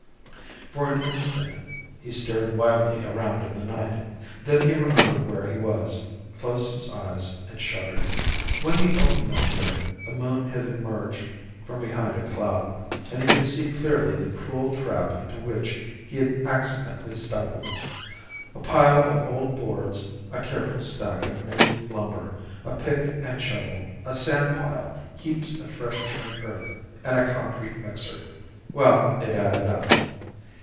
For an instant he stared wildly around in the night. Then he remembered where he was, closed his eyes and shuddered. When he opened them again, the moon had emerged from behind a cloud, and he could see clearly the cruel trap into which he had accidentally stumbled. A pile of old boards, a careful stack of new lumber, a pick and shovel, a sand pile, heaps of fresh turned earth, and a concrete mixer well, it added up.